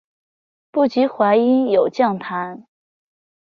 不及淮阴有将坛。